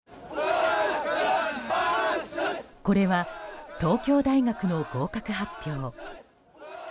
これは東京大学の合格発表。